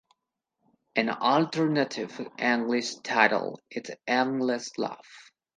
An alternative English title is "Endless Love".